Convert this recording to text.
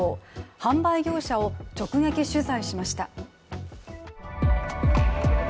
販売業者を直撃取材しました。